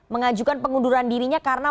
mengajukan pengunduran dirinya karena